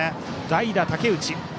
代打、竹内。